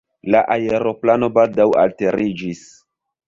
La aeroplano baldaŭ alteriĝis.